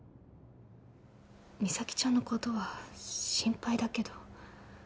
実咲ちゃんのことは心配だけど